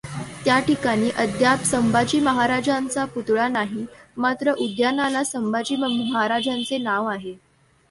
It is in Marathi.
त्याठिकाणी अद्याप संभाजी महाराजांचा पुतळा नाही, मात्र उद्यानाला संभाजी महाराजांचे नाव आहे.